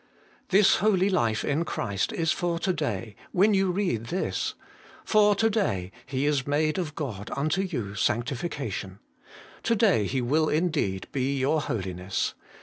4. This holy life in Christ is for to day, when you read this. For to day He is made of God unto you sanctification : to day He will indeed be your holiness.